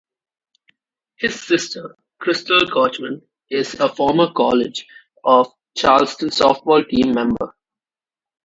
His sister Christal Kotchman is a former College of Charleston softball team member.